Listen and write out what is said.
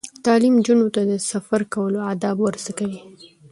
تعلیم نجونو ته د سفر کولو آداب ور زده کوي.